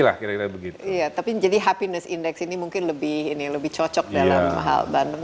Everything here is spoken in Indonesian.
lah kira kira begitu tapi jadi happiness index ini mungkin lebih ini lebih cocok dalam hal bandung